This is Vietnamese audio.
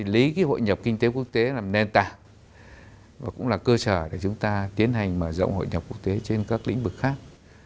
lý hội nhập kinh tế quốc tế là nền tảng và cũng là cơ sở để chúng ta tiến hành mở rộng hội nhập quốc tế trên các lĩnh vực khác